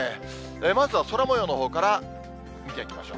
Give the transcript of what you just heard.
まずは空もようのほうから見ていきましょう。